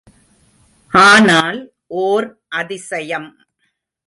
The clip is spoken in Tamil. ஆனால் ஓர் அதிசயம்!